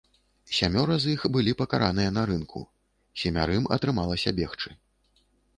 Сямёра з іх былі пакараныя на рынку, семярым атрымалася бегчы.